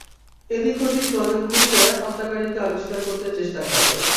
এদিক-ওদিক নজর ঘুরিয়ে হত্যাকারীকে আবিষ্কার করতে চেষ্টা করেন।